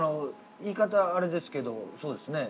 ◆言い方はあれですけどそうですね。